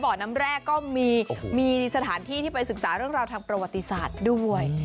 น้ำแรกก็มีสถานที่ที่ไปศึกษาเรื่องราวทางประวัติศาสตร์ด้วย